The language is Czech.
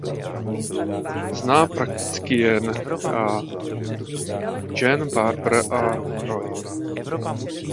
Zná prakticky jen Jen Barber a Roye.